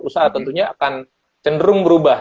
usaha tentunya akan cenderung berubah